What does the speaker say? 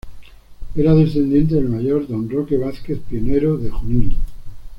Era descendiente del Mayor Don Roque Vázquez, pionero de Junín.